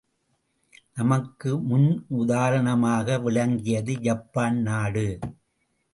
நமக்கு முன்னுதாரணமாக விளங்கியது ஜப்பான் நாடு.